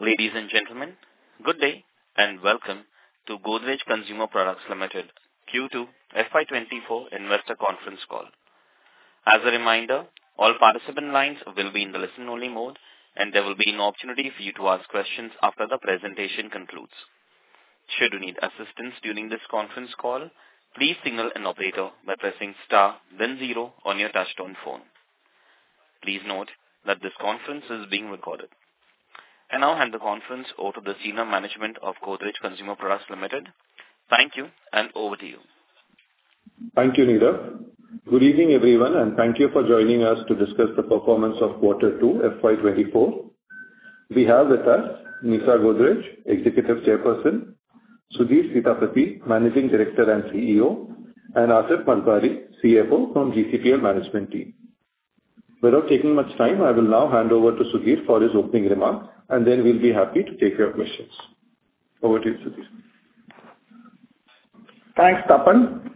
Ladies and gentlemen, good day, and welcome to Godrej Consumer Products Limited, Q2 FY24 investor conference call. As a reminder, all participant lines will be in the listen-only mode, and there will be an opportunity for you to ask questions after the presentation concludes. Should you need assistance during this conference call, please signal an operator by pressing star then zero on your touchtone phone. Please note that this conference is being recorded. I now hand the conference over to the senior management of Godrej Consumer Products Limited. Thank you, and over to you. Thank you, Neerav. Good evening, everyone, and thank you for joining us to discuss the performance of Q2, FY 2024. We have with us Nisaba Godrej, Executive Chairperson, Sudhir Sitapati, Managing Director and CEO, and Aasif Malbari, CFO from GCPL management team. Without taking much time, I will now hand over to Sudhir for his opening remarks, and then we'll be happy to take your questions. Over to you, Sudhir. Thanks, Tapan.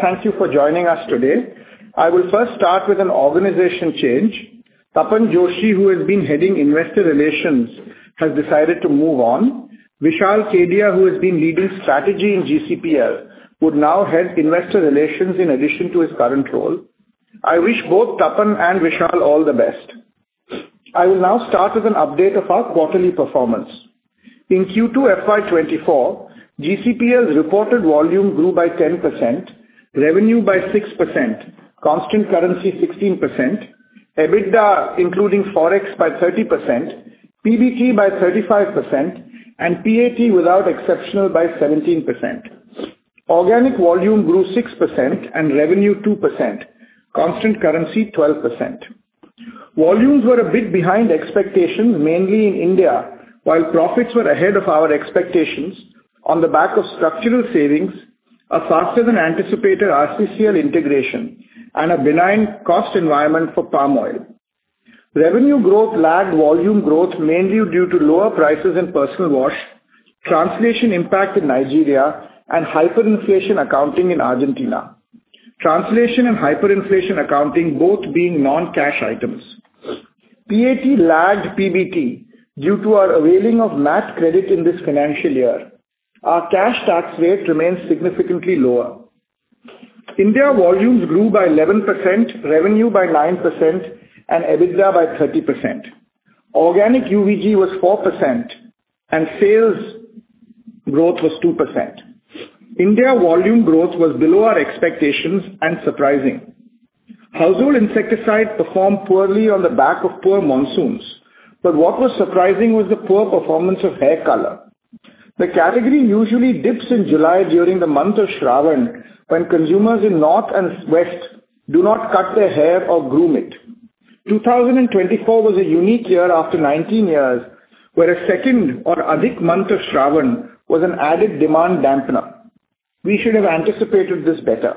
Thank you for joining us today. I will first start with an organizational change. Tapan Joshi, who has been heading Investor Relations, has decided to move on. Vishal Kedia, who has been leading strategy in GCPL, would now head Investor Relations in addition to his current role. I wish both Tapan and Vishal all the best. I will now start with an update of our quarterly performance. In Q2 FY 2024, GCPL's reported volume grew by 10%, revenue by 6%, constant currency 16%, EBITDA, including Forex, by 30%, PBT by 35%, and PAT without exceptional by 17%. Organic volume grew 6% and revenue 2%, constant currency 12%. Volumes were a bit behind expectations, mainly in India, while profits were ahead of our expectations on the back of structural savings, a faster than anticipated RCCL integration, and a benign cost environment for palm oil. Revenue growth lagged volume growth mainly due to lower prices in personal wash, translation impact in Nigeria, and hyperinflation accounting in Argentina. Translation and hyperinflation accounting both being non-cash items. PAT lagged PBT due to our availing of MAT credit in this financial year. Our cash tax rate remains significantly lower. India volumes grew by 11%, revenue by 9%, and EBITDA by 30%. Organic UVG was 4% and sales growth was 2%. India volume growth was below our expectations and surprising. Household insecticides performed poorly on the back of poor monsoons, but what was surprising was the poor performance of hair color. The category usually dips in July during the month of Shravan, when consumers in north and west do not cut their hair or groom it. 2024 was a unique year after 19 years, where a second or Adhik month of Shravan was an added demand dampener. We should have anticipated this better.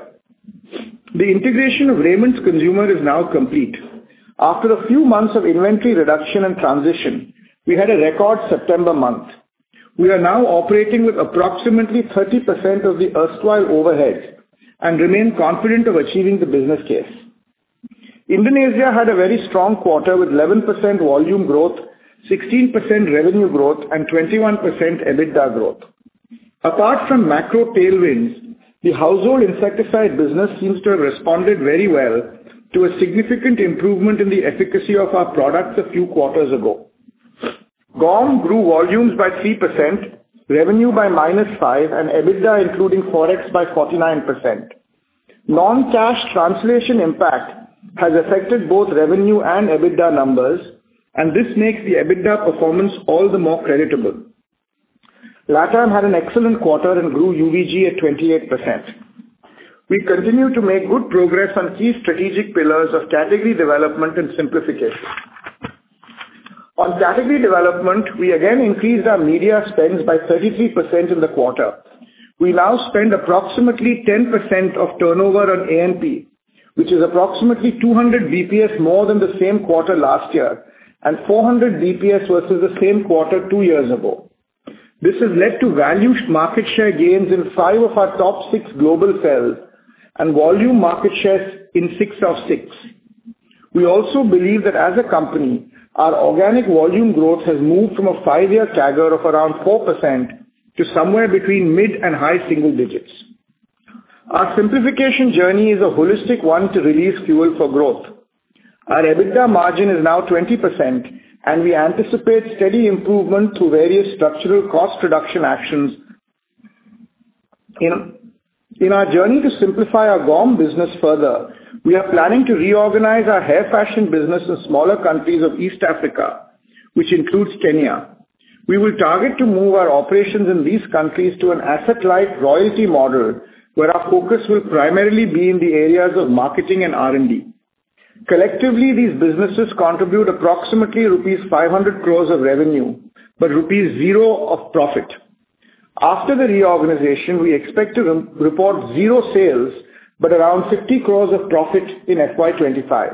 The integration of Raymond Consumer is now complete. After a few months of inventory reduction and transition, we had a record September month. We are now operating with approximately 30% of the erstwhile overheads and remain confident of achieving the business case. Indonesia had a very strong quarter, with 11% volume growth, 16% revenue growth, and 21% EBITDA growth. Apart from macro tailwinds, the household insecticide business seems to have responded very well to a significant improvement in the efficacy of our products a few quarters ago. GAUM grew volumes by 3%, revenue by -5%, and EBITDA, including Forex, by 49%. Non-cash translation impact has affected both revenue and EBITDA numbers, and this makes the EBITDA performance all the more creditable. Latam had an excellent quarter and grew UVG at 28%. We continue to make good progress on key strategic pillars of category development and simplification. On category development, we again increased our media spends by 33% in the quarter. We now spend approximately 10% of turnover on A&P, which is approximately 200 BPS more than the same quarter last year and 400 BPS versus the same quarter two years ago. This has led to value market share gains in five of our top six global sales and volume market shares in six of six. We also believe that as a company, our organic volume growth has moved from a five-year CAGR of around 4% to somewhere between mid- and high-single digits. Our simplification journey is a holistic one to release fuel for growth. Our EBITDA margin is now 20%, and we anticipate steady improvement through various structural cost reduction actions. In our journey to simplify our GAUM business further, we are planning to reorganize our hair fashion business in smaller countries of East Africa, which includes Kenya. We will target to move our operations in these countries to an asset-light royalty model, where our focus will primarily be in the areas of marketing and R&D. Collectively, these businesses contribute approximately rupees 500 crore of revenue, but rupees 0 of profit. After the reorganization, we expect to re-report zero sales, but around 50 crore of profit in FY 2025.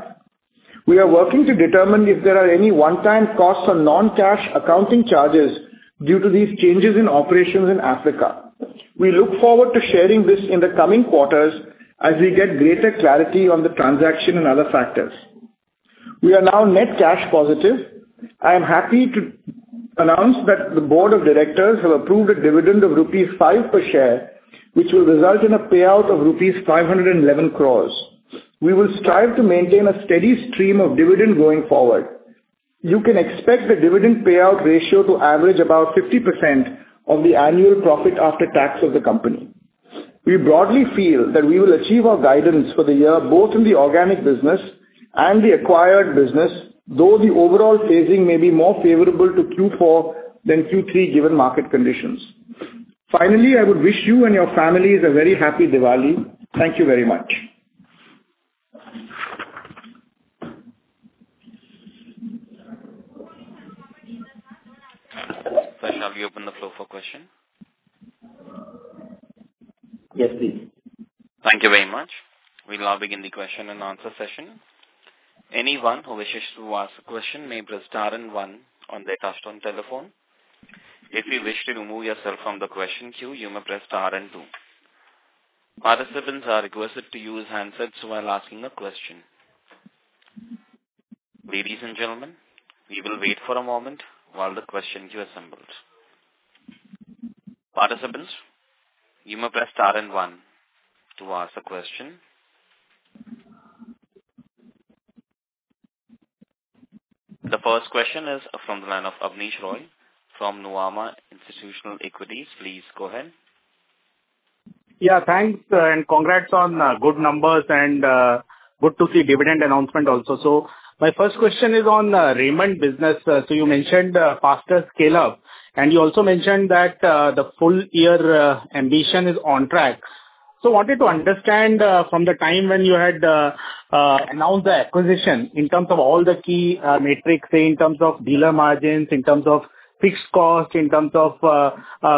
We are working to determine if there are any one-time costs or non-cash accounting charges due to these changes in operations in Africa. We look forward to sharing this in the coming quarters as we get greater clarity on the transaction and other factors. We are now net cash positive. I am happy to announce that the board of directors have approved a dividend of rupees 5 per share, which will result in a payout of rupees 511 crore. We will strive to maintain a steady stream of dividend going forward. You can expect the dividend payout ratio to average about 50% of the annual profit after tax of the company. We broadly feel that we will achieve our guidance for the year, both in the organic business and the acquired business, though the overall phasing may be more favorable to Q4 than Q3, given market conditions. Finally, I would wish you and your families a very happy Diwali. Thank you very much. I'll now open the floor for questions. Yes, please. Thank you very much. We'll now begin the question and answer session. Anyone who wishes to ask a question may press star and one on their touchtone telephone. If you wish to remove yourself from the question queue, you may press star and two. Participants are requested to use handsets while asking a question. Ladies and gentlemen, we will wait for a moment while the question queue assembles. Participants, you may press star and one to ask a question. The first question is from the line of Abneesh Roy from Nuvama Institutional Equities. Please go ahead. Yeah, thanks, and congrats on good numbers and good to see dividend announcement also. So my first question is on Raymond business. So you mentioned faster scale-up, and you also mentioned that the full year ambition is on track. So wanted to understand from the time when you had announced the acquisition in terms of all the key metrics, in terms of dealer margins, in terms of fixed cost, in terms of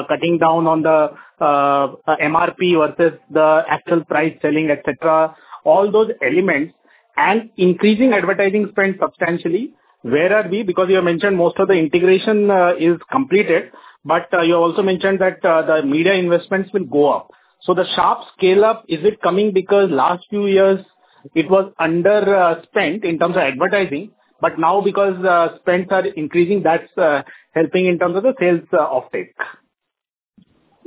cutting down on the MRP versus the actual price selling, etc., all those elements, and increasing advertising spend substantially. Where are we? Because you have mentioned most of the integration is completed, but you also mentioned that the media investments will go up. The sharp scale-up, is it coming because last few years it was under spent in terms of advertising, but now because spends are increasing, that's helping in terms of the sales offtake?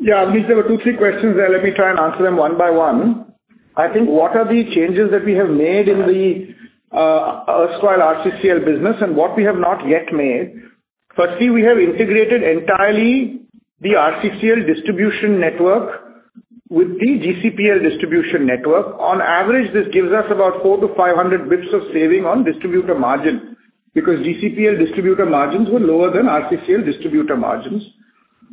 Yeah, Abneesh, there were two, three questions there. Let me try and answer them one by one. I think what are the changes that we have made in the erstwhile RCCL business and what we have not yet made. Firstly, we have integrated entirely the RCCL distribution network with the GCPL distribution network. On average, this gives us about 400-500 bps of saving on distributor margin, because GCPL distributor margins were lower than RCCL distributor margins.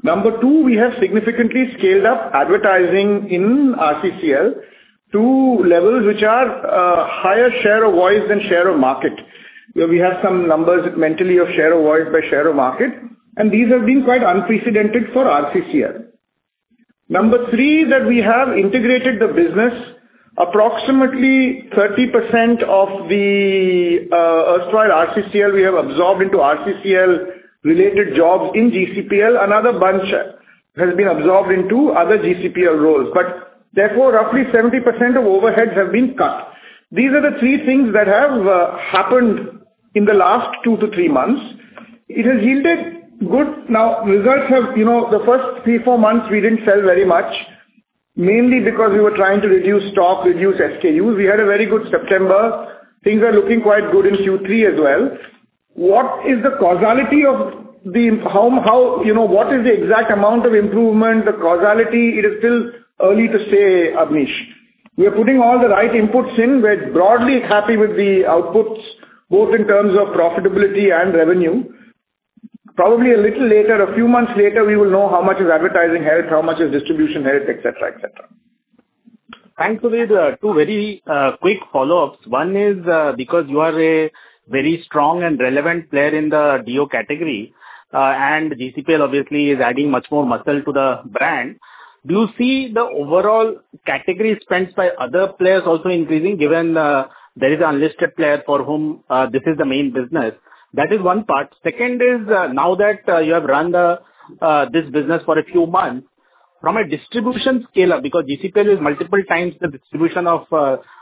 Number two, we have significantly scaled up advertising in RCCL to levels which are higher share of voice than share of market, where we have some numbers mentally of share of voice by share of market, and these have been quite unprecedented for RCCL. Number three, that we have integrated the business. Approximately 30% of the erstwhile RCCL, we have absorbed into RCCL-related jobs in GCPL. Another bunch has been absorbed into other GCPL roles, but therefore, roughly 70% of overheads have been cut. These are the three things that have happened in the last 2-3 months. It has yielded good... Now, results have, you know, the first 3-4 months, we didn't sell very much, mainly because we were trying to reduce stock, reduce SKUs. We had a very good September. Things are looking quite good in Q3 as well. What is the causality of the how, how-- You know, what is the exact amount of improvement, the causality? It is still early to say, Abneesh. We are putting all the right inputs in. We're broadly happy with the outputs, both in terms of profitability and revenue. Probably a little later, a few months later, we will know how much is advertising helped, how much is distribution helped, etc., etc. Thanks, Sudhir. Two very quick follow-ups. One is, because you are a very strong and relevant player in the deo category, and GCPL obviously is adding much more muscle to the brand, do you see the overall category spends by other players also increasing, given there is an unlisted player for whom this is the main business? That is one part. Second is, now that you have run this business for a few months, from a distribution scale-up, because GCPL is multiple times the distribution of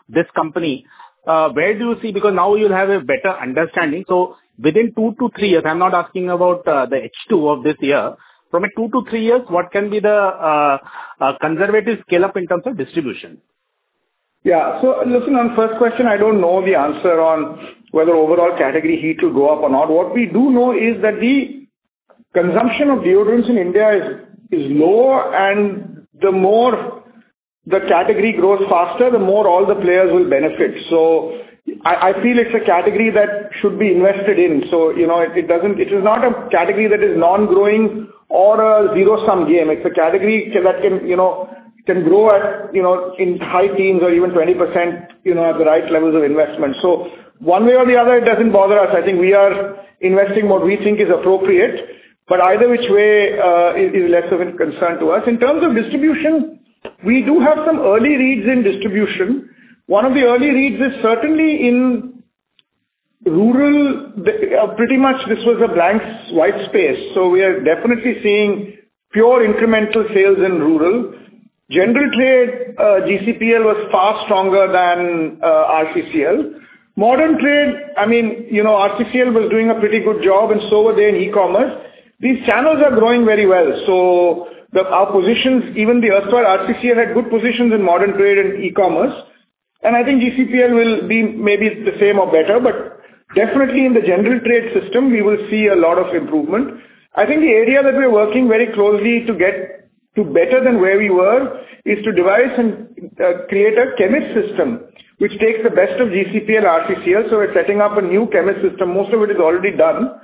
this company, where do you see? Because now you'll have a better understanding. So within two to three years, I'm not asking about the H2 of this year. From a two to three years, what can be the conservative scale-up in terms of distribution? Yeah. So listen, on first question, I don't know the answer on whether overall category heat will go up or not. What we do know is that the consumption of deodorants in India is, is low, and the more the category grows faster, the more all the players will benefit. So I, I feel it's a category that should be invested in. So you know, it, it doesn't. It is not a category that is non-growing or a zero-sum game. It's a category that can, you know, can grow at, you know, in high teens or even 20%, you know, at the right levels of investment. So one way or the other, it doesn't bother us. I think we are investing what we think is appropriate, but either which way, is, is less of a concern to us. In terms of distribution, we do have some early reads in distribution. One of the early reads is certainly in rural, the pretty much this was a blank white space, so we are definitely seeing pure incremental sales in rural. General trade, GCPL was far stronger than RCCL. Modern trade, I mean, you know, RCCL was doing a pretty good job and so were they in e-commerce. These channels are growing very well, so our positions, even the earth while, RCCL had good positions in modern trade and e-commerce, and I think GCPL will be maybe the same or better, but definitely in the general trade system, we will see a lot of improvement. I think the area that we're working very closely to get to better than where we were is to devise and create a chemist system, which takes the best of GCPL and RCCL. So we're setting up a new chemist system. Most of it is already done,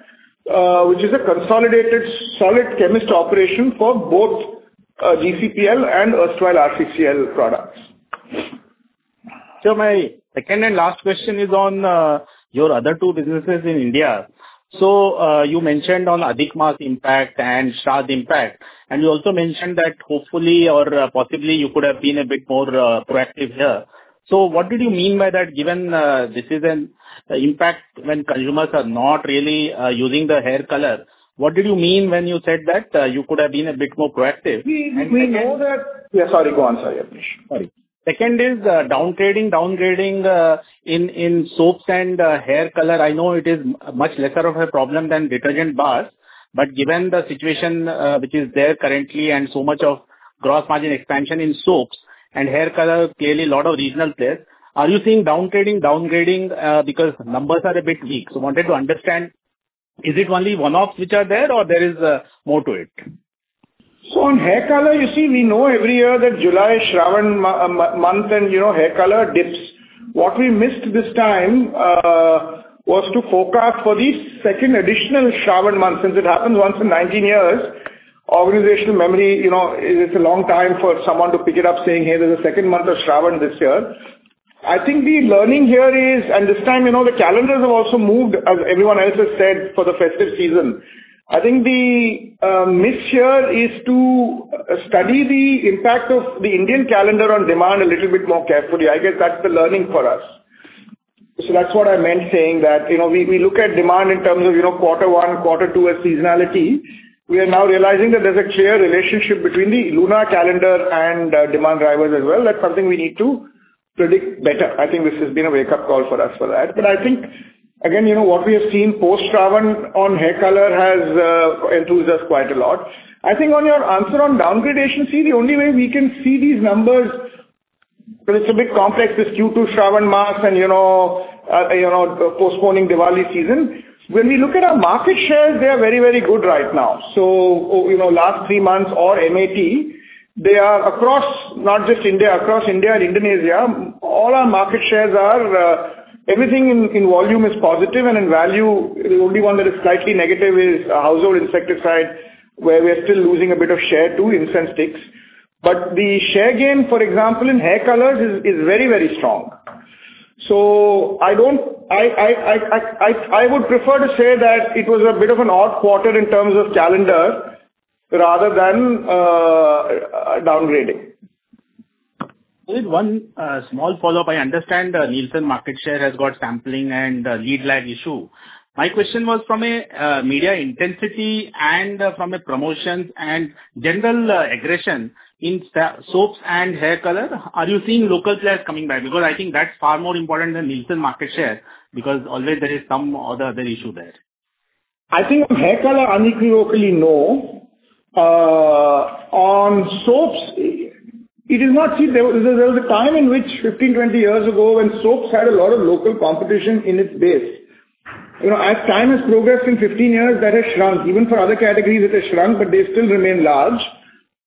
which is a consolidated, solid chemist operation for both GCPL and the best RCCL products. So my second and last question is on your other two businesses in India. So you mentioned on Adhik month impact, and you also mentioned that hopefully or possibly you could have been a bit more proactive here. So what did you mean by that, given this is an impact when consumers are not really using the hair color? What did you mean when you said that you could have been a bit more proactive? Yeah, sorry, go on, sorry, Abneesh. Sorry. Second is downgrading. Downgrading in soaps and hair color, I know it is much lesser of a problem than detergent bars, but given the situation which is there currently and so much of gross margin expansion in soaps and hair color, clearly a lot of regional players, are you seeing downgrading? Because numbers are a bit weak. So wanted to understand, is it only one-offs which are there or there is more to it? So on hair color, you see, we know every year that July Shravan month, and, you know, hair color dips. What we missed this time was to forecast for the second additional Shravan month, since it happens once in 19 years. Organizational memory, you know, it's a long time for someone to pick it up, saying: "Hey, there's a second month of Shravan this year." I think the learning here is... This time, you know, the calendars have also moved, as everyone else has said, for the festive season. I think the miss here is to study the impact of the Indian calendar on demand a little bit more carefully. I guess that's the learning for us. So that's what I meant saying that, you know, we, we look at demand in terms of, you know, quarter one, quarter two as seasonality. We are now realizing that there's a clear relationship between the lunar calendar and demand drivers as well. That's something we need to predict better. I think this has been a wake-up call for us for that. But I think, again, you know, what we have seen post-Shravan on hair color has enthused us quite a lot. I think on your answer on downgradation, see, the only way we can see these numbers, but it's a bit complex, is due to Shravan month and, you know, you know, postponing Diwali season. When we look at our market shares, they are very, very good right now. So, you know, last three months or MAT, they are across not just India, across India and Indonesia, all our market shares are, everything in volume is positive, and in value, the only one that is slightly negative is household insecticide, where we are still losing a bit of share to incense sticks. But the share gain, for example, in hair colors is very, very strong. So I don't... I would prefer to say that it was a bit of an odd quarter in terms of calendar, rather than a downgrading. Just one small follow-up. I understand the Nielsen market share has got sampling and lead lag issue. My question was from a media intensity and from a promotions and general aggression in soaps and hair color, are you seeing local players coming back? Because I think that's far more important than Nielsen market share, because always there is some other issue there. I think on hair color, unequivocally, no. On soaps, it is not. See, there was a time in which 15, 20 years ago, when soaps had a lot of local competition in its base. You know, as time has progressed in 15 years, that has shrunk. Even for other categories, it has shrunk, but they still remain large.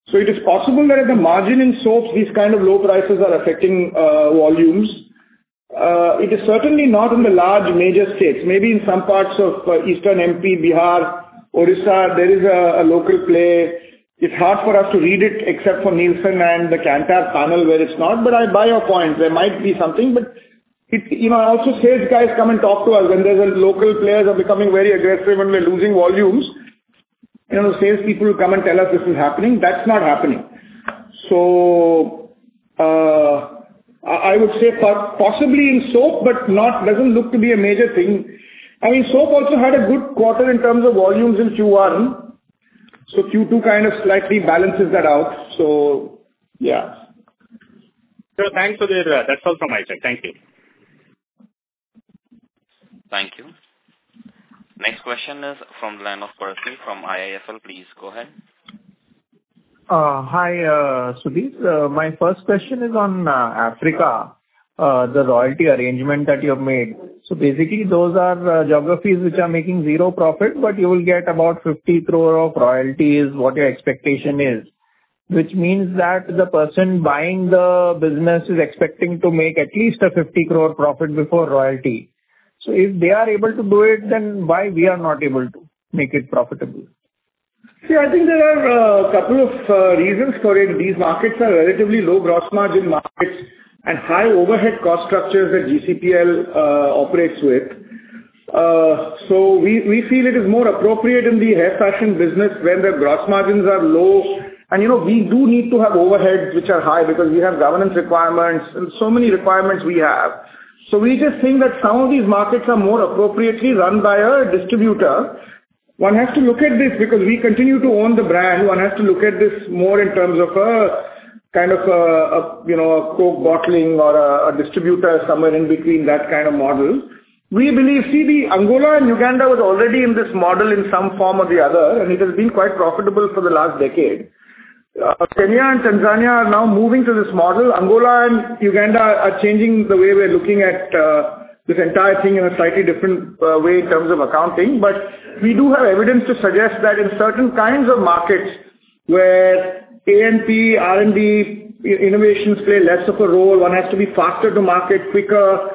So it is possible that at the margin in soaps, these kind of low prices are affecting volumes. It is certainly not in the large major states. Maybe in some parts of eastern MP, Bihar, Orissa, there is a local play. It's hard for us to read it, except for Nielsen and the Kantar panel, where it's not. But I buy your point, there might be something, but it, you know, I also say, the guys come and talk to us when there's a local players are becoming very aggressive and we're losing volumes, you know, sales people come and tell us this is happening. That's not happening. So, I would say possibly in soap, but not, doesn't look to be a major thing. I mean, soap also had a good quarter in terms of volumes in Q1, so Q2 kind of slightly balances that out. So yeah. Thanks for the answer. That's all from my side. Thank you. Thank you. Next question is from the line of Percy from IIFL. Please, go ahead. Hi, Sudhir. My first question is on Africa, the royalty arrangement that you have made. So basically, those are geographies which are making zero profit, but you will get about 50 crore of royalties, what your expectation is. Which means that the person buying the business is expecting to make at least 50 crore profit before royalty. So if they are able to do it, then why we are not able to make it profitable? See, I think there are a couple of reasons for it. These markets are relatively low gross margin markets and high overhead cost structures that GCPL operates with. So we feel it is more appropriate in the hair fashion business when the gross margins are low. And, you know, we do need to have overheads, which are high because we have governance requirements and so many requirements we have. So we just think that some of these markets are more appropriately run by a distributor. One has to look at this because we continue to own the brand. One has to look at this more in terms of a, kind of a, you know, a Coke bottling or a distributor, somewhere in between that kind of model. We believe, see, the Angola and Uganda was already in this model in some form or the other, and it has been quite profitable for the last decade. Kenya and Tanzania are now moving to this model. Angola and Uganda are changing the way we are looking at, this entire thing in a slightly different, way in terms of accounting. But we do have evidence to suggest that in certain kinds of markets where A&P, R&D, innovations play less of a role, one has to be faster to market, quicker,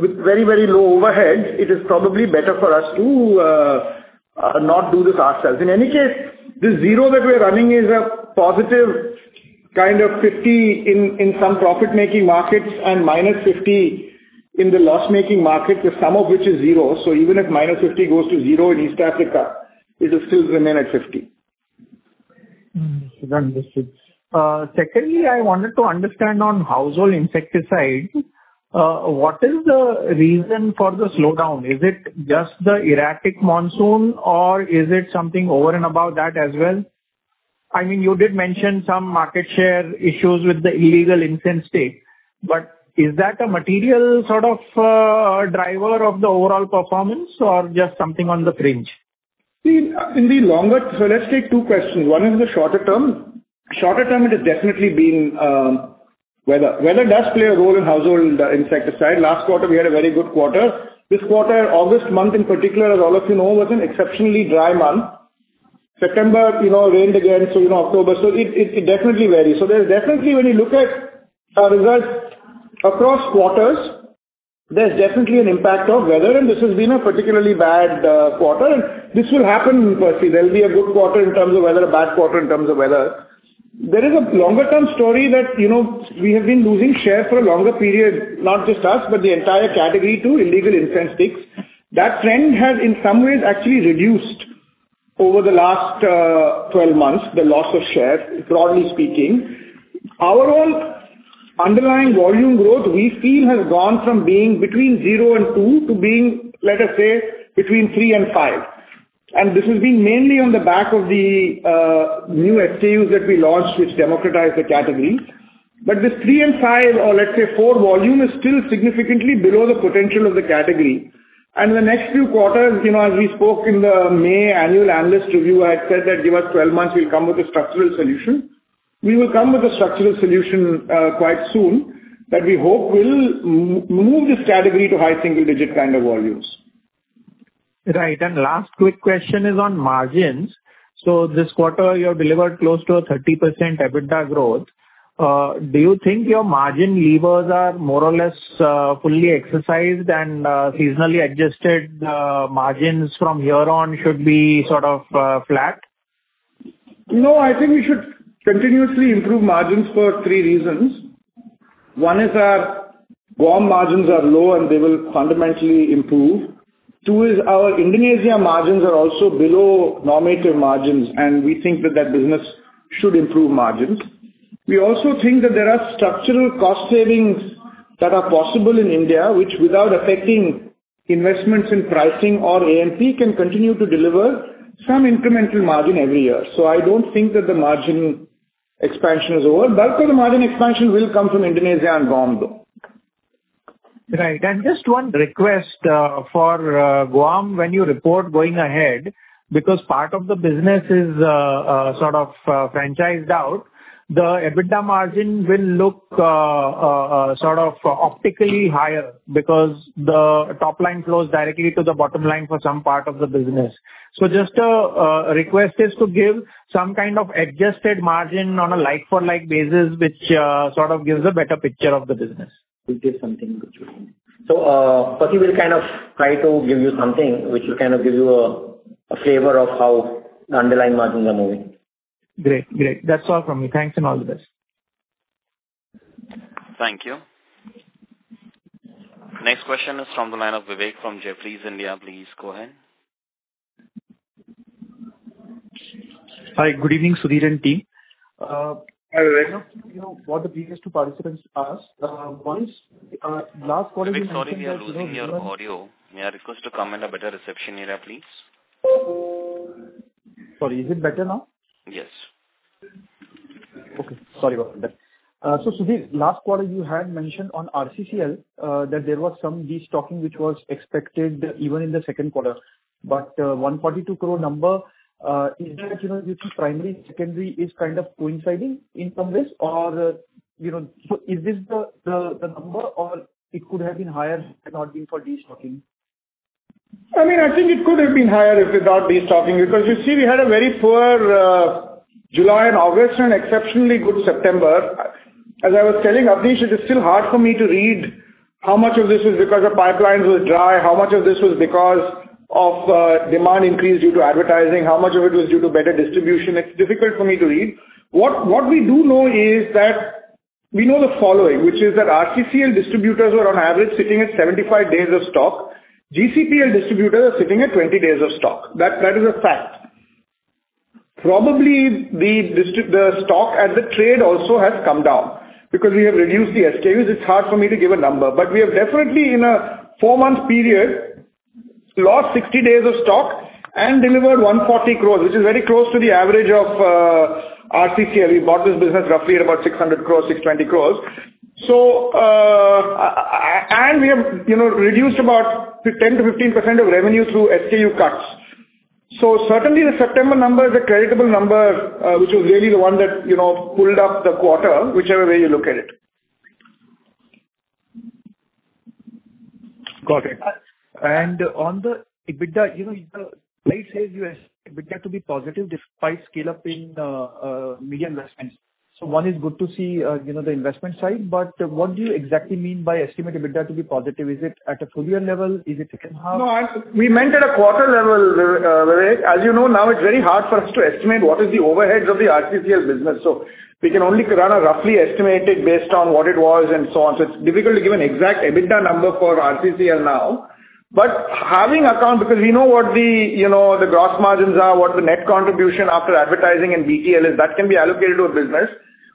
with very, very low overhead. It is probably better for us to, not do this ourselves. In any case, this zero that we are running is a positive 50 in some profit-making markets and -50 in the loss-making markets, the sum of which is zero. Even if -50 goes to zero in East Africa, it will still remain at 50. Understood. Secondly, I wanted to understand on household insecticides, what is the reason for the slowdown? Is it just the erratic monsoon, or is it something over and above that as well? I mean, you did mention some market share issues with the illegal incense sticks, but is that a material sort of, driver of the overall performance or just something on the fringe? See, in the longer... So let's take two questions. One is the shorter term. Shorter term, it has definitely been weather. Weather does play a role in household insecticide. Last quarter, we had a very good quarter. This quarter, August month in particular, as all of you know, was an exceptionally dry month. September, you know, rained again, so you know, October. So it, it, it definitely varies. So there's definitely when you look at our results across quarters, there's definitely an impact of weather, and this has been a particularly bad quarter, and this will happen. You know, there'll be a good quarter in terms of weather, a bad quarter in terms of weather. There is a longer term story that, you know, we have been losing share for a longer period, not just us, but the entire category, to illegal incense sticks. That trend has, in some ways, actually reduced over the last 12 months, the loss of share, broadly speaking. Overall, underlying volume growth, we feel, has gone from being between zero and two to being, let us say, between three and five. And this is being mainly on the back of the new SKUs that we launched, which democratized the category. But this three and five, or let's say four volume, is still significantly below the potential of the category. And the next few quarters, you know, as we spoke in the May annual analyst review, I said that, "Give us 12 months, we'll come with a structural solution." We will come with a structural solution quite soon, that we hope will move this category to high single digit kind of volumes. Right. And last quick question is on margins. So this quarter, you have delivered close to a 30% EBITDA growth. Do you think your margin levers are more or less, fully exercised and, seasonally adjusted, margins from here on should be sort of, flat? No, I think we should continuously improve margins for three reasons. One is that GAUM margins are low and they will fundamentally improve. Two is our Indonesia margins are also below normative margins, and we think that that business should improve margins. We also think that there are structural cost savings that are possible in India, which without affecting investments in pricing or A&P, can continue to deliver some incremental margin every year. So I don't think that the margin expansion is over, but the margin expansion will come from Indonesia and GAUM, though. Right. And just one request for GAUM, when you report going ahead, because part of the business is sort of franchised out, the EBITDA margin will look sort of optically higher because the top line flows directly to the bottom line for some part of the business. So just a request is to give some kind of adjusted margin on a like-for-like basis, which sort of gives a better picture of the business. We'll give something, which... So, but we will kind of try to give you something which will kind of give you a flavor of how the underlying margins are moving. Great. Great. That's all from me. Thanks, and all the best. Thank you. Next question is from the line of Vivek from Jefferies, India. Please go ahead. Hi, good evening, Sudhir and team. I want to know what the previous two participants asked once last quarter- Vivek, sorry, we are losing your audio. May I request you to come at a better reception area, please? Sorry, is it better now? Yes. Okay. Sorry about that. So, Sudhir, last quarter you had mentioned on RCCL that there was some destocking, which was expected even in the second quarter. But, one party to grow number is that, you know, this is primary, secondary is kind of coinciding in from this or, you know, so is this the number, or it could have been higher had not been for destocking? I mean, I think it could have been higher if without destocking, because you see, we had a very poor July and August, and exceptionally good September. As I was telling Abneesh, it is still hard for me to read how much of this is because the pipelines were dry, how much of this was because of demand increase due to advertising, how much of it was due to better distribution. It's difficult for me to read. What, what we do know is that... We know the following, which is that RCCL distributors were on average sitting at 75 days of stock. GCPL distributors are sitting at 20 days of stock. That, that is a fact. Probably, the stock as a trade also has come down, because we have reduced the SKUs. It's hard for me to give a number, but we have definitely, in a four-month period, lost 60 days of stock and delivered 140 crores, which is very close to the average of RCCL. We bought this business roughly at about 600 crores, 620 crores. So, and we have, you know, reduced about 10%-15% of revenue through SKU cuts. So certainly, the September number is a creditable number, which is really the one that, you know, pulled up the quarter, whichever way you look at it. Got it. And on the EBITDA, you know, the slide says you expect EBITDA to be positive, despite scale-up in media investments. So one is good to see, you know, the investment side, but what do you exactly mean by estimating EBITDA to be positive? Is it at a full year level? Is it second half? No, we meant at a quarter level, Vivek. As you know, now it's very hard for us to estimate what is the overheads of the RCCL business, so we can only kind of roughly estimate it based on what it was and so on. So it's difficult to give an exact EBITDA number for RCCL now. But having account, because we know what the, you know, the gross margins are, what the net contribution after advertising and BTL is, that can be allocated to a business.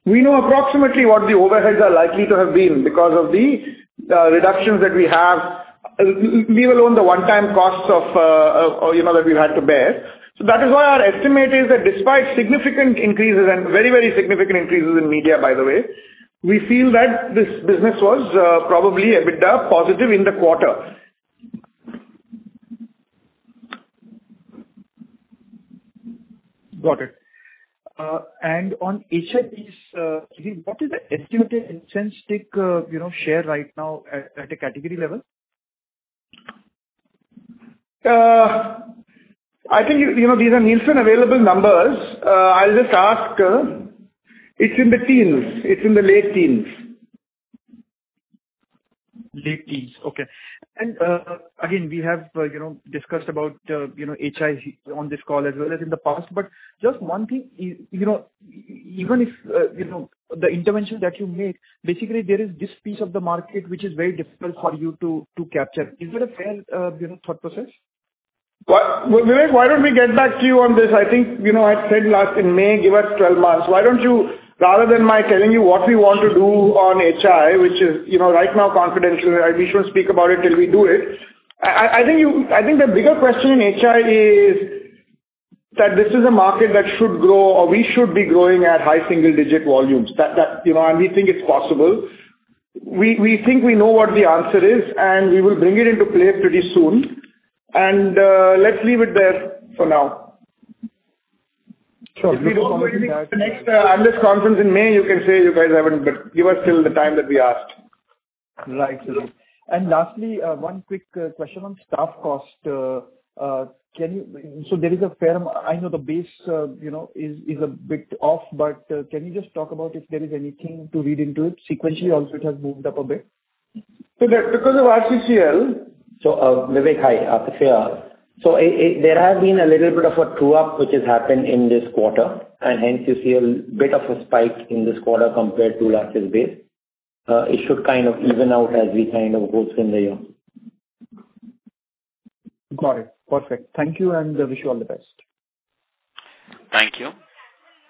We know approximately what the overheads are likely to have been, because of the reductions that we have, leave alone the one-time costs of, you know, that we've had to bear. So that is why our estimate is that despite significant increases and very, very significant increases in media, by the way, we feel that this business was probably EBITDA positive in the quarter. Got it. On HIs, what is the estimated intrinsic, you know, share right now at a category level? I think, you, you know, these are Nielsen available numbers. I'll just ask. It's in the teens, it's in the late teens. Late teens, okay. Again, we have, you know, discussed about, you know, HI on this call as well as in the past, but just one thing, you know, even if, you know, the intervention that you made, basically there is this piece of the market which is very difficult for you to capture. Is it a fair, you know, thought process? Well, Vivek, why don't we get back to you on this? I think, you know, I said last in May, give us 12 months. Why don't you— rather than my telling you what we want to do on HI, which is, you know, right now confidential, and we shouldn't speak about it till we do it. I think the bigger question in HI is that this is a market that should grow or we should be growing at high single digit volumes. That, you know, and we think it's possible. We think we know what the answer is, and we will bring it into play pretty soon. Let's leave it there for now. Sure. The next analyst conference in May, you can say you guys haven't, but give us till the time that we asked. Right. And lastly, one quick question on staff cost. Can you... So there is a fair, I know the base, you know, is a bit off, but, can you just talk about if there is anything to read into it? Sequentially, also, it has moved up a bit. That's because of RCCL. So, Vivek, hi, Aasif. So there have been a little bit of a true-up, which has happened in this quarter, and hence you see a bit of a spike in this quarter compared to last year's base. It should kind of even out as we kind of go through the year. Got it. Perfect. Thank you, and wish you all the best. Thank you.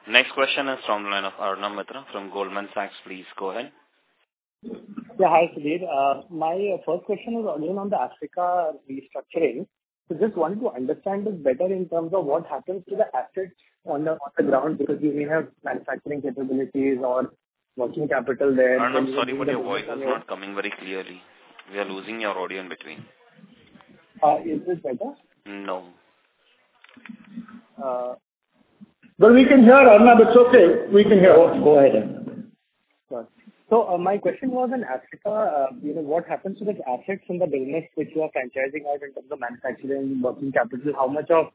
Next question is from the line of Arnab Mitra from Goldman Sachs. Please go ahead. Yeah, hi, Sudhir. My first question is again on the Africa restructuring. So just want to understand this better in terms of what happens to the assets on the ground, because you may have manufacturing capabilities or working capital there- I'm sorry, but your voice is not coming very clearly. We are losing your audio in between. Is this better? No. But we can hear, Arnab. It's okay, we can hear you. Go, go ahead. Sure. So, my question was on Africa. You know, what happens to the assets from the business which you are franchising out in terms of manufacturing, working capital? How much of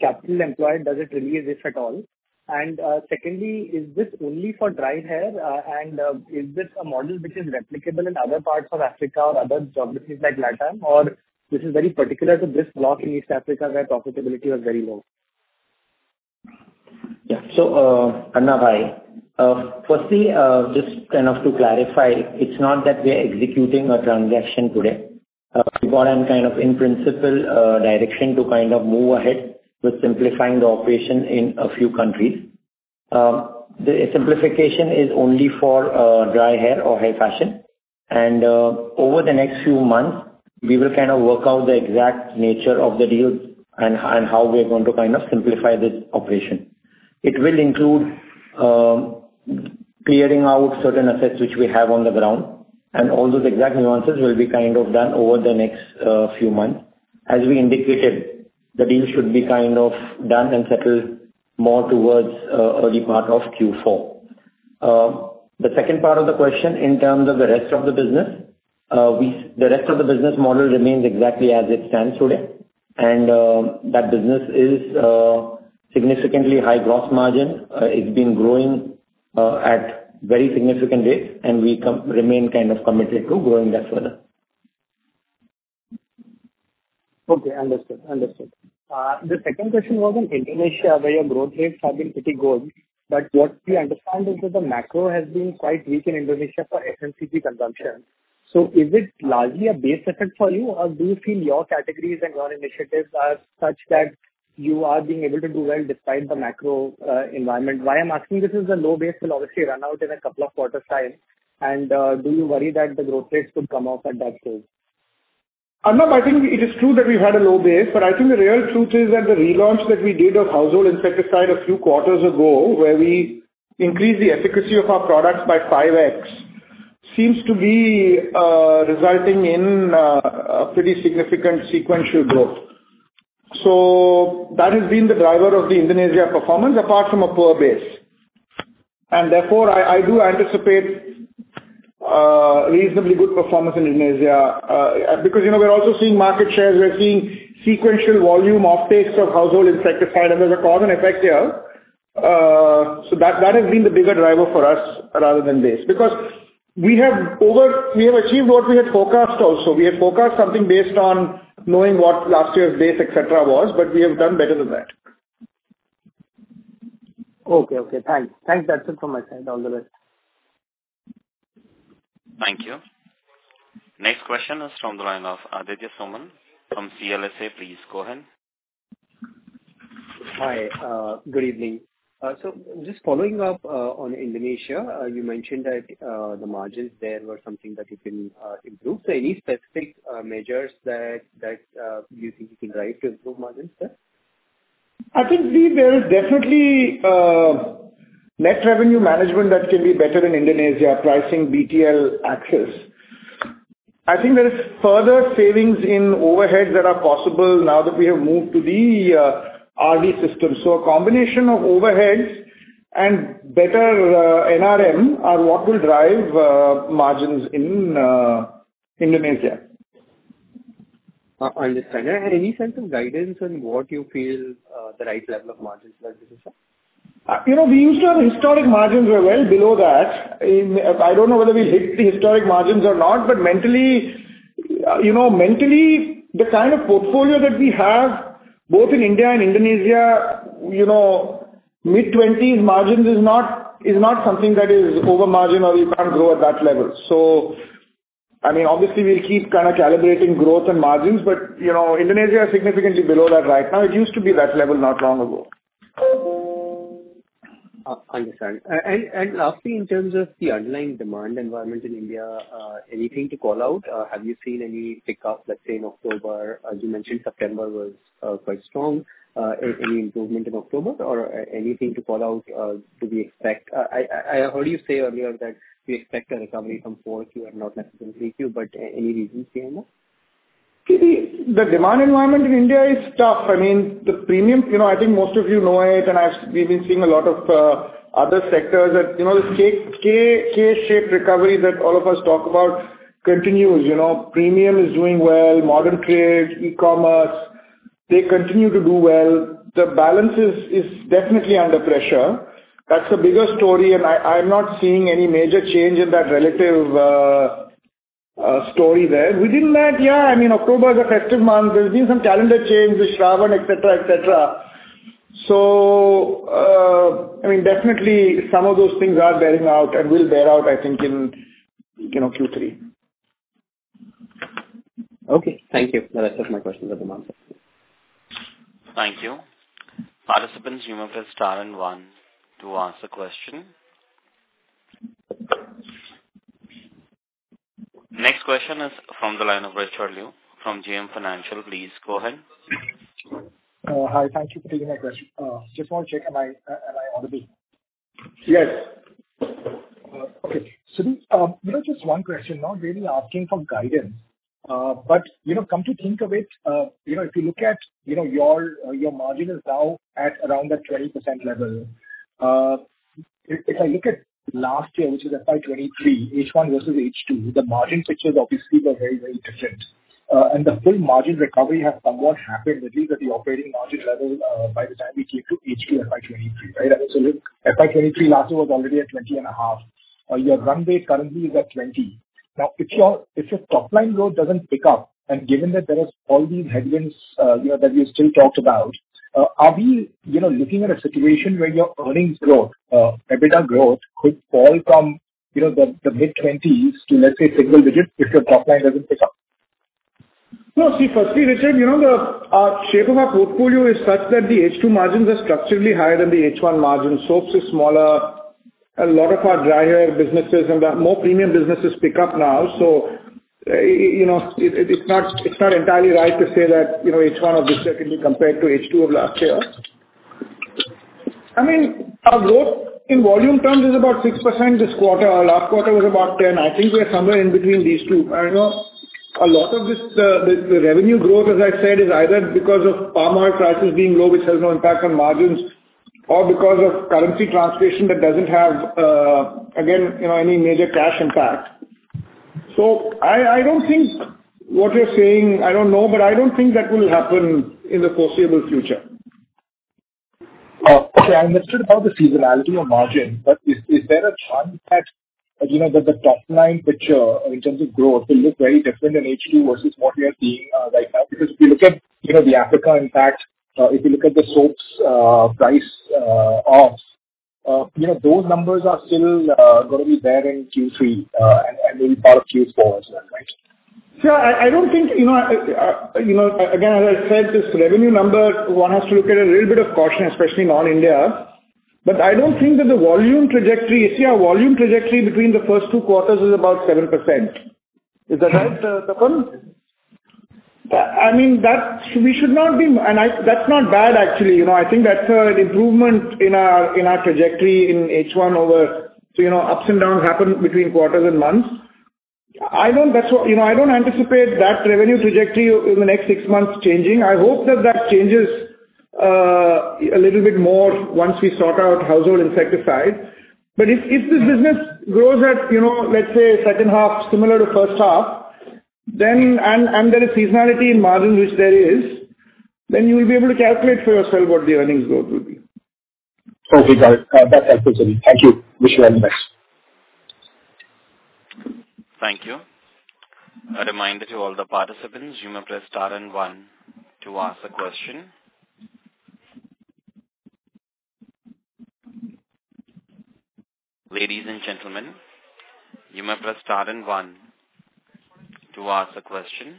capital employed, does it really risk at all? And, secondly, is this only for dry hair? And, is this a model which is replicable in other parts of Africa or other geographies like Latam, or this is very particular to this block in East Africa, where profitability was very low? Yeah. So, Arnab, hi. Firstly, just kind of to clarify, it's not that we are executing a transaction today. We got a kind of in principle direction to kind of move ahead with simplifying the operation in a few countries. The simplification is only for dry hair or hair fashion, and over the next few months, we will kind of work out the exact nature of the deal and, and how we are going to kind of simplify this operation. It will include clearing out certain assets which we have on the ground, and all those exact nuances will be kind of done over the next few months. As we indicated, the deal should be kind of done and settled more towards early part of Q4. The second part of the question, in terms of the rest of the business, the rest of the business model remains exactly as it stands today, and that business is significantly high gross margin. It's been growing at very significant rates, and we remain kind of committed to growing that further.... Okay, understood, understood. The second question was on Indonesia, where your growth rates have been pretty good, but what we understand is that the macro has been quite weak in Indonesia for FMCG consumption. So is it largely a base effect for you, or do you feel your categories and your initiatives are such that you are being able to do well despite the macro environment? Why I'm asking this is, the low base will obviously run out in a couple of quarters time, and do you worry that the growth rates could come off at that stage? Anil, I think it is true that we've had a low base, but I think the real truth is that the relaunch that we did of household insecticide a few quarters ago, where we increased the efficacy of our products by 5x, seems to be resulting in a pretty significant sequential growth. So that has been the driver of the Indonesia performance, apart from a poor base. And therefore, I do anticipate reasonably good performance in Indonesia, because, you know, we're also seeing market share. We are seeing sequential volume offtakes of household insecticide, and there's a cause and effect here. So that has been the bigger driver for us rather than base. Because we have achieved what we had forecast also. We have forecast something based on knowing what last year's base, et cetera, was, but we have done better than that. Okay, okay. Thanks. Thanks, that's it from my side. All the best. Thank you. Next question is from the line of Aditya Soman from CLSA. Please go ahead. Hi, good evening. So just following up on Indonesia, you mentioned that the margins there were something that you can improve. So any specific measures that you think you can drive to improve margins there? I think, there is definitely net revenue management that can be better in Indonesia, pricing, BTL, access. I think there is further savings in overheads that are possible now that we have moved to the R&D system. So a combination of overheads and better NRM are what will drive margins in Indonesia. Understand. Any sense of guidance on what you feel, the right level of margins for this is? You know, we used to have historic margins were well below that. I don't know whether we hit the historic margins or not, but mentally, you know, mentally, the kind of portfolio that we have, both in India and Indonesia, you know, mid-20s margins is not, is not something that is over margin or you can't grow at that level. So, I mean, obviously, we'll keep kind of calibrating growth and margins, but you know, Indonesia is significantly below that right now. It used to be that level not long ago. Understand. And lastly, in terms of the underlying demand environment in India, anything to call out? Have you seen any pickup, let's say, in October, as you mentioned, September was quite strong. Any improvement in October or anything to call out do we expect? I heard you say earlier that you expect a recovery from fourth Q and not necessarily three Q, but any reasons here now? The demand environment in India is tough. I mean, the premium, you know, I think most of you know it, and I've, we've been seeing a lot of other sectors that, you know, the K-shaped recovery that all of us talk about continues. You know, premium is doing well, modern trade, e-commerce, they continue to do well. The balance is definitely under pressure. That's the bigger story, and I, I'm not seeing any major change in that relative story there. Within that, yeah, I mean, October is a festive month. There's been some calendar change, the Shravan, et cetera, et cetera. So, I mean, definitely some of those things are bearing out and will bear out, I think, in, you know, Q3. Okay, thank you. The rest of my questions are demanded. Thank you. Participants, you may press star and one to ask a question. Next question is from the line of Richard Liu from JM Financial. Please go ahead. Hi, thank you for taking my question. Just want to check, am I on the bridge? Yes. Okay. So, you know, just one question, not really asking for guidance, but, you know, come to think of it, you know, if you look at, you know, your, your margin is now at around the 20% level. If I look at last year, which is FY 2023, H1 versus H2, the margin pictures obviously were very, very different. And the full margin recovery has somewhat happened, at least at the operating margin level, by the time we clicked to H2 FY 2023, right? So FY 2023, last year was already at 20.5. Your run base currently is at 20. Now, if your, if your top-line growth doesn't pick up, and given that there are all these headwinds, you know, that you still talked about, are we, you know, looking at a situation where your earnings growth, EBITDA growth could fall from, you know, the, the mid-twenties to, let's say, single digits, if your top line doesn't pick up? No, see, firstly, Richard, you know, the shape of our portfolio is such that the H2 margins are structurally higher than the H1 margins. Soaps is smaller. A lot of our drier businesses and the more premium businesses pick up now. So, you know, it, it's not, it's not entirely right to say that, you know, H1 of this year can be compared to H2 of last year. I mean, our growth in volume terms is about 6% this quarter. Our last quarter was about 10. I think we're somewhere in between these two. I know a lot of this, the revenue growth, as I said, is either because of palm oil prices being low, which has no impact on margins, or because of currency translation that doesn't have, again, you know, any major cash impact. I don't think what you're saying. I don't know, but I don't think that will happen in the foreseeable future.... Okay, I understood about the seasonality of margin, but is there a chance that, you know, the top line picture in terms of growth will look very different in H2 versus what we are seeing right now? Because if you look at, you know, the Africa impact, if you look at the soaps price offs, you know, those numbers are still going to be there in Q3, and maybe part of Q4 as well, right? Sure. I don't think, you know, again, as I said, this revenue number, one has to look at a little bit of caution, especially in all India. But I don't think that the volume trajectory... You see, our volume trajectory between the first two quarters is about 7%. Is that right, Tapan? I mean, that's—we should not be... And I, that's not bad, actually. You know, I think that's an improvement in our, in our trajectory in H1 over, you know, ups and downs happen between quarters and months. I don't that's what... You know, I don't anticipate that revenue trajectory in the next six months changing. I hope that that changes a little bit more once we sort out household insecticides. If this business grows at, you know, let's say second half similar to first half, then, and there is seasonality in margin, which there is, then you will be able to calculate for yourself what the earnings growth will be. Okay, got it. That's absolutely. Thank you. Wish you all the best. Thank you. A reminder to all the participants, you may press star and one to ask a question. Ladies and gentlemen, you may press star and one to ask a question.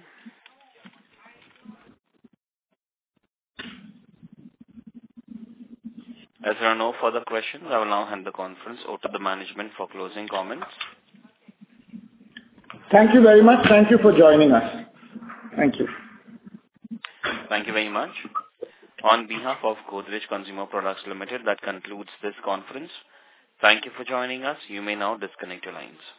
As there are no further questions, I will now hand the conference over to the management for closing comments. Thank you very much. Thank you for joining us. Thank you. Thank you very much. On behalf of Godrej Consumer Products Limited, that concludes this conference. Thank you for joining us. You may now disconnect your lines.